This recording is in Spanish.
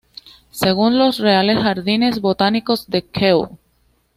Según los "Reales Jardines Botánicos de Kew